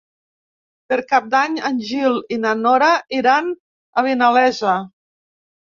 Per Cap d'Any en Gil i na Nora iran a Vinalesa.